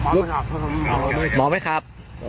รอกไม่ครับ